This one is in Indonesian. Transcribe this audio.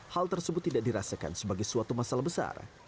hal tersebut tidak dirasakan sebagai suatu masalah besar